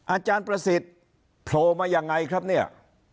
อาจารย์ประสิทธิ์โผล่มายังไงครับเนี่ย